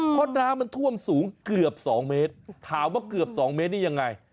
เพราะน้ำมันท่วมสูงเกือบ๒เมตรถามว่าเกือบ๒เมตรนี่ยังไง